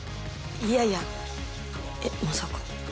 いやいやえっまさか。